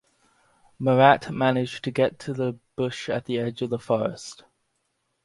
Marat managed to get to the bush at the edge of the forest.